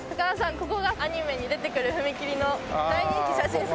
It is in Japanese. ここがアニメに出てくる踏切の大人気写真スポットです。